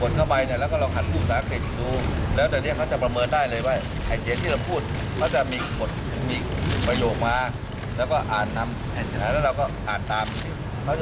นายประชาชนบริเวณมีบัสดิ์มาร์เก็ตจากนี่มั้ย